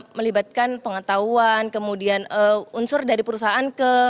hanya melibatkan pengetahuan kemudian unsur dari perusahaan ke dunia usaha